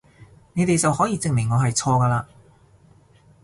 你哋就可以證明我係錯㗎嘞！